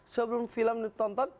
sebelum film ditonton